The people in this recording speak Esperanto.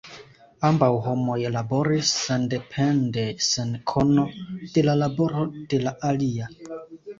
Ambaŭ homoj laboris sendepende sen kono de la laboro de la alia.